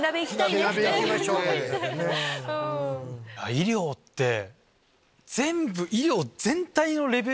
医療って全部。